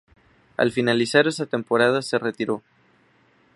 Al finalizar esa temporada se retiró.